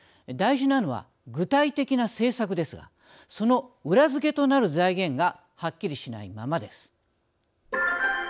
大事なのは具体的な政策ですがその裏付けとなる財源がはっきりしないままです。